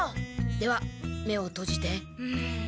では目をとじて。